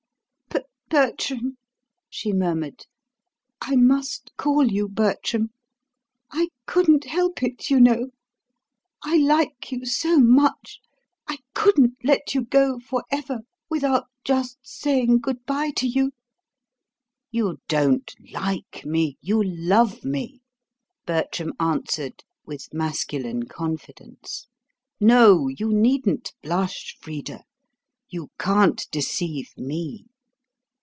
"But, Bertram," she murmured, "I MUST call you Bertram I couldn't help it, you know. I like you so much, I couldn't let you go for ever without just saying good bye to you." "You DON'T like me; you LOVE me," Bertram answered with masculine confidence. "No, you needn't blush, Frida; you can't deceive me....